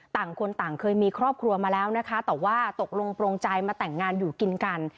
ต่างคนต่างเคยมีครอบครัวมาแล้วนะคะแต่ว่าตกลงโปรงใจมาแต่งงานอยู่กินกัน